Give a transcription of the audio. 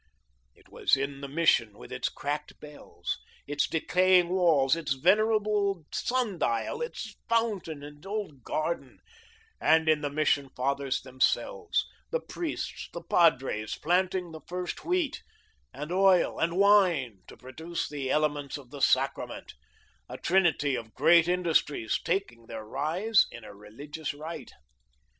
It was in the Mission, with its cracked bells, its decaying walls, its venerable sun dial, its fountain and old garden, and in the Mission Fathers themselves, the priests, the padres, planting the first wheat and oil and wine to produce the elements of the Sacrament a trinity of great industries, taking their rise in a religious rite.